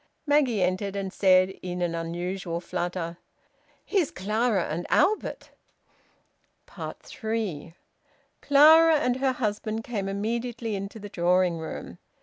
Maggie entered, and said, in an unusual flutter "Here's Clara and Albert!" THREE. Clara and her husband came immediately into the drawing room.